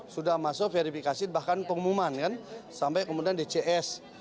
sudah masuk verifikasi bahkan pengumuman kan sampai kemudian dcs